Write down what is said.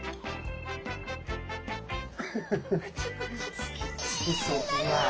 好きそう。